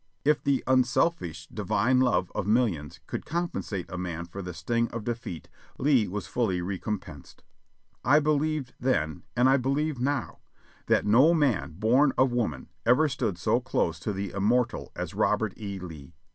If the unselfish, divine love of millions could compensate a man for the sting of defeat, Lee was fully recompensed. I believed then, and I believe now% that no man born of woman ever stood so close to the Immortal as Robert E. Lee.